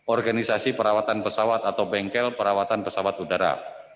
organisasi perawatan pesawat atau bengkel perawatan pesawat udara